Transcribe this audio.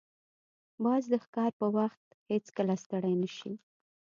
باز د ښکار پر وخت هیڅکله ستړی نه شي